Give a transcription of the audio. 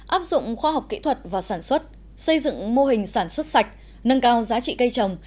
áp dụng khoa học kỹ thuật và sản xuất xây dựng mô hình sản xuất sạch nâng cao giá trị cây trồng